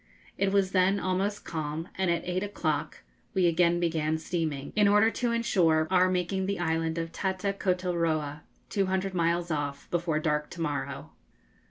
It was then almost calm, and at eight o'clock we again began steaming, in order to insure our making the island of Tatakotoroa, 200 miles off, before dark to morrow.